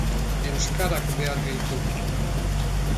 Euskarak behar gaitu